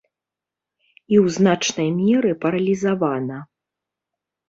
І ў значнай меры паралізавана.